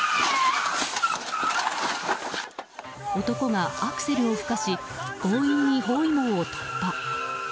男がアクセルをふかし強引に包囲網を突破。